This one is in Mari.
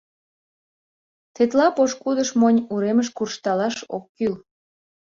— Тетла пошкудыш монь, уремыш куржталаш ок кӱл.